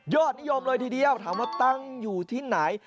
นิยมเลยทีเดียวถามว่าตั้งอยู่ที่ไหน